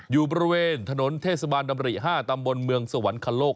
อยู่บริเวณถนนเทศบาลดำริ๕ตำบลเมืองสวรรคโลก